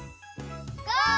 ゴー！